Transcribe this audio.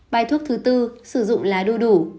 bài thuốc thứ bốn sử dụng lá đu đủ